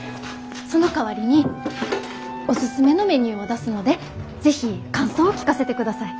そのかわりにおすすめのメニューを出すので是非感想を聞かせてください。